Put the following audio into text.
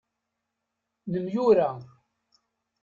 Nemyura.